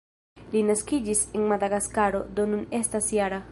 Li naskiĝis en Madagaskaro, do nun estas -jara.